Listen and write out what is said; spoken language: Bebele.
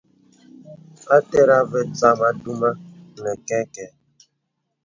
A tɛrəŋ à və̀ zamà duma nə kɛkɛ̄.